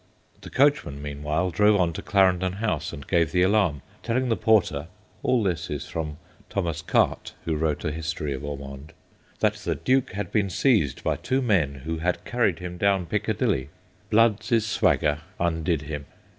The ... AND COLONEL BLOOD 25 coachman, meanwhile, drove on to Clarendon House and gave the alarm, telling the porter all this is from Thomas Carte, who wrote a history of Ormonde, ' that the Duke had been seized by two men who had carried him down Pickadilly.' Blood's swagger undid him.